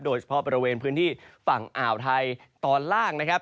โดยเฉพาะบริเวณพื้นที่ฝั่งอ่าวไทยตอนล่างนะครับ